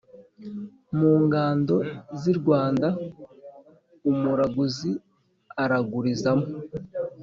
mungando zirwanda umuraguzi uragurizamo